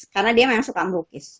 karena dia suka melukis